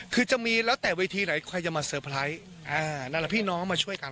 คือจะมีแล้วแต่เวทีไหนใครจะมาเซอร์ไพรส์นั่นแหละพี่น้องมาช่วยกัน